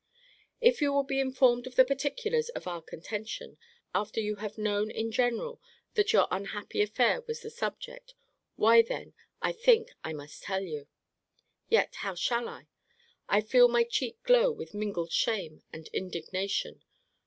If you will be informed of the particulars of our contention, after you have known in general that your unhappy affair was the subject, why then, I think I must tell you. Yet how shall I?==I feel my cheek glow with mingled shame and indignation.